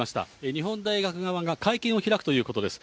日本大学側が会見を開くということです。